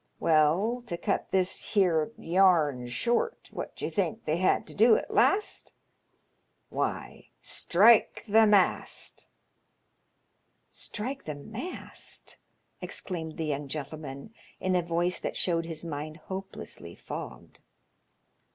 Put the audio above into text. Well, to cut this here yam short, what do you think they had to do at last ? Why, strike the mast," ^LONGSHOREMAN'S YARNS, 148 " Strike the mast I " exclaimed the young gentleman, in a Yoice that showed his mind hopelessly fogged.